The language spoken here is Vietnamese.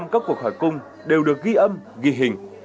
một trăm linh các cuộc hỏi cung đều được ghi âm ghi hình